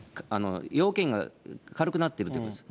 要件が軽くなっているということです。